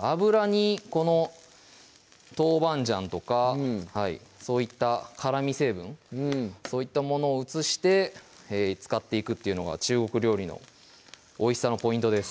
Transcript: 油にこの豆板醤とかそういった辛み成分そういったものを移して使っていくっていうのが中国料理のおいしさのポイントです